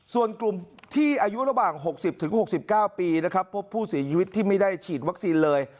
ส่วนกลุ่มที่อายุระหว่าง๖๐๖๙ปีนะครับพบผู้เสียชีวิตที่ไม่ได้ฉีดวัคซีนเลย